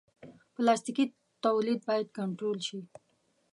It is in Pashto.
پلاستيکي تولید باید کنټرول شي.